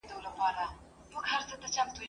راسه چي له ښاره سره ووزو پر بېدیا به سو ..